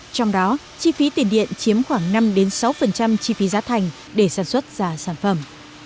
trong đó chi phí tiền điện chiếm khoảng năm sáu chi phí giá thành để sản xuất ra sản phẩm